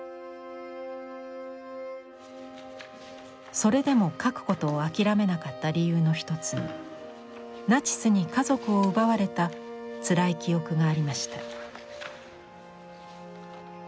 それでも描くことを諦めなかった理由の一つにナチスに家族を奪われたつらい記憶がありました。